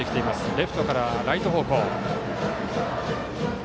レフトからライト方向。